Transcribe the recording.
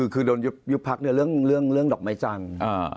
คือโดนยุบพักเรื่องดอกไม้จันทร์